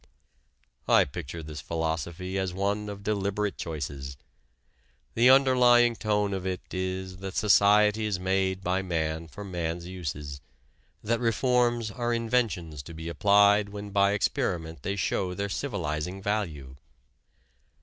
I picture this philosophy as one of deliberate choices. The underlying tone of it is that society is made by man for man's uses, that reforms are inventions to be applied when by experiment they show their civilizing value.